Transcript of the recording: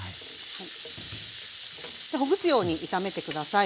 ほぐすように炒めて下さい。